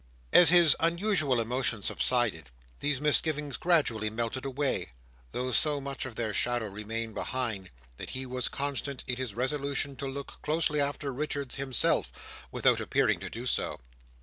As his unusual emotion subsided, these misgivings gradually melted away, though so much of their shadow remained behind, that he was constant in his resolution to look closely after Richards himself, without appearing to do so.